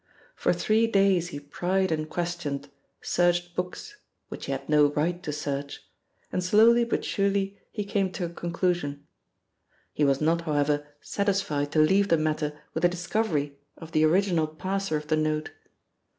For three days he pried and questioned, searched books which he had no right to search and slowly but surely he came to a conclusion. He was not, however, satisfied to leave the matter with the discovery of the original passer of the note.